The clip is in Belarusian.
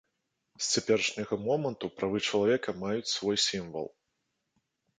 З цяперашняга моманту правы чалавека маюць свой сімвал.